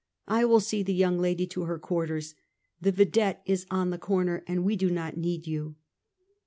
I will see the young lady to her quarters. The vidette is on the corner, and we do not need you!